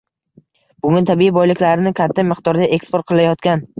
Bunga tabiiy boyliklarini katta miqdorda eksport qilayotgan